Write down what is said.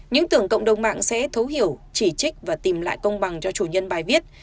những tưởng cộng đồng mạng sẽ thấu hiểu chỉ trích và tìm lại công bằng cho chủ nhân bài viết